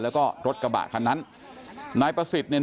แล้วก็รถกระบะคันนั้นนายประสิทธิ์เนี่ย